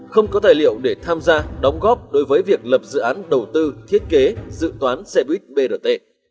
không có tài liệu để tham gia đóng góp đối với việc lập dự án đầu tư thiết kế dự toán xe buýt brt